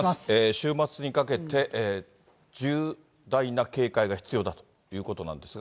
週末にかけて、重大な警戒が必要だということなんですが。